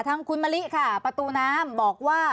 ทางคุณมะลิค่ะประตูน้ำบอกว่า